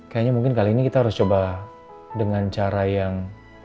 kayaknya mungkin kali ini kita harus coba dengan cara yang